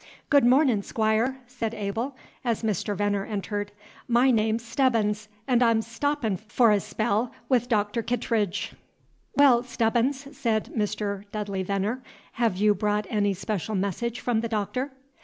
"Good mornin', Squire!" said Abel, as Mr. Venner entered. "My name's Stebbins, 'n' I'm stoppin' f'r a spell 'ith of Doctor Kittredge." "Well, Stebbins," said Mr. Dudley Veneer, "have you brought any special message from the Doctor?"